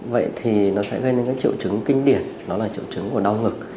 vậy thì nó sẽ gây nên các triệu chứng kinh điển nó là triệu chứng của đau ngực